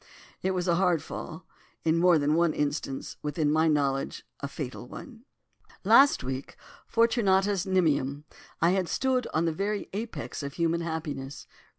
It was a hard fall. In more than one instance within my knowledge a fatal one. "Last week, fortunatus nimium, I had stood on the very apex of human happiness.